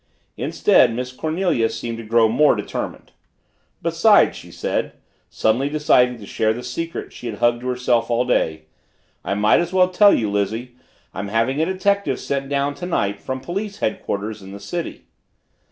Instead, Miss Cornelia seemed to grow more determined. "Besides," she said, suddenly deciding to share the secret she had hugged to herself all day, "I might as well tell you, Lizzie. I'm having a detective sent down tonight from police headquarters in the city."